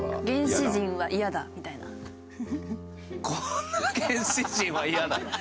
「こんな原始人は嫌だ」？